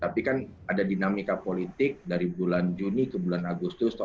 tapi kan ada dinamika politik dari bulan juni ke bulan agustus seribu sembilan ratus empat puluh lima